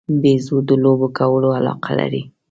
بیزو د لوبو کولو علاقه لري.